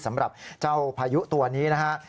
สำหรับเจ้าพายุตัวนี้นะครับ